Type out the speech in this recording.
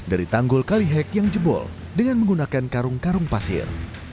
dari tanggul kalihek yang jebol dengan menggunakan karung karung pasir